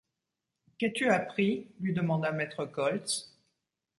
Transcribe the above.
Qu’as-tu appris ?… lui demanda maître Koltz